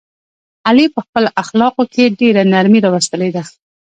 علي په خپلو اخلاقو کې ډېره نرمي راوستلې ده.